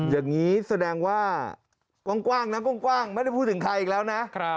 อย่างนี้แสดงว่ากว้างนะกว้างไม่ได้พูดถึงใครอีกแล้วนะ